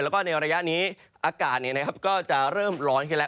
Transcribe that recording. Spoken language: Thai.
แล้วก็ในระยะนี้อากาศก็จะเริ่มร้อนขึ้นแล้ว